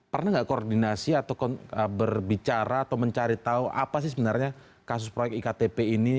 pernah nggak koordinasi atau berbicara atau mencari tahu apa sih sebenarnya kasus proyek iktp ini